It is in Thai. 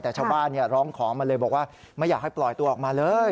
แต่ชาวบ้านร้องขอมาเลยบอกว่าไม่อยากให้ปล่อยตัวออกมาเลย